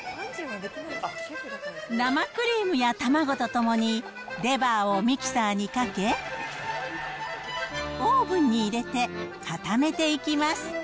生クリームや卵とともにレバーをミキサーにかけ、オーブンに入れて固めていきます。